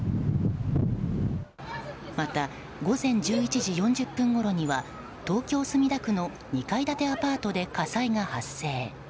また、午前１１時４０分ごろには東京・墨田区の２階建てアパートで火災が発生。